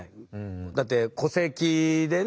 だって戸籍でね